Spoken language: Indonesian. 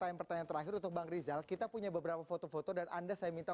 pertanyaan pertanyaan terakhir untuk bang rizal kita punya beberapa foto foto dan anda saya minta